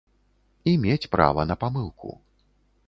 І мець права на памылку.